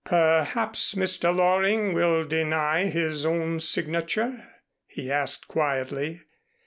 "Perhaps Mr. Loring will deny his own signature?" he asked quietly.